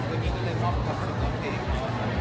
ก็วันนี้ก็เลยมอบความสุขกับเขาเองแล้ว